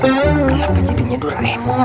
kenapa jadinya doraemon